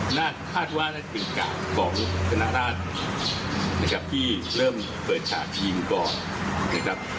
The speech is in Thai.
หน้าถ้าดว่ามันคือการส์ของสถานราชนะครับที่เริ่มเปิดถาดยิงก่อนนะครับ